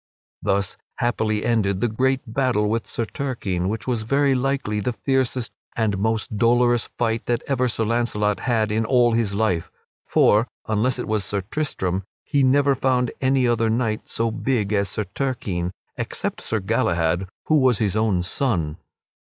Thus happily ended that great battle with Sir Turquine which was very likely the fiercest and most dolorous fight that ever Sir Launcelot had in all of his life. For, unless it was Sir Tristram, he never found any other knight so big as Sir Turquine except Sir Galahad, who was his own son.